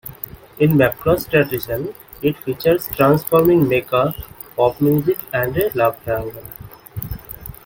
In "Macross" tradition, it features transforming mecha, pop music, and a love triangle.